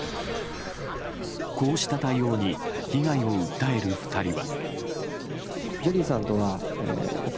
こうした対応に被害を訴える２人は。